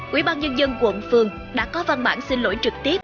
quỹ ban nhân dân quận phường đã có văn bản xin lỗi trực tiếp